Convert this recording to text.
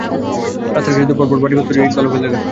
রাস্তার কিছু দূর পরপর বাড়িঘর তৈরির ইট-বালু ফেলে রাখতে দেখা যায়।